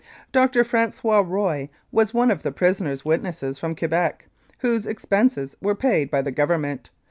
Dr. Fran9ois Roy was one of the prisoner's witnesses from Quebec, whose expenses were paid by the Govern ment.